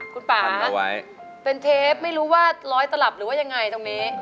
คุณป่าเป็นเทปไม่รู้ว่าร้อยตลับหรือว่ายังไงตรงนี้